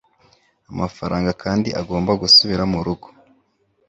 amafaranga kandi agomba gusubira murugo